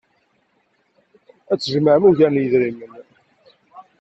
Ad tjemɛem ugar n yedrimen.